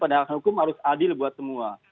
penegakan hukum harus adil buat semua